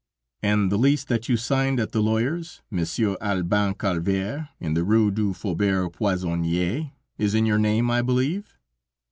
"And the lease that you signed at the lawyer's, Monsieur Albin Calvert, in the Rue du Faubourg Poissonnière, is in your name, I believe?"